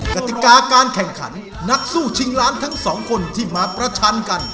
กติกาการแข่งขันนักสู้ชิงล้านทั้งสองคนที่มาประชันกัน